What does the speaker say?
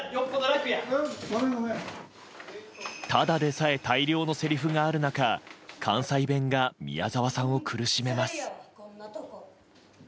ただでさえ大量のせりふがある中関西弁が宮沢さんを苦しめます。